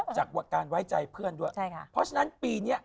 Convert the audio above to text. จากการไว้ใจเพื่อนด้วย